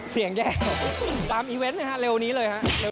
เสียงแย่ตามอีเว้นต์นะครับเร็วนี้เลยครับ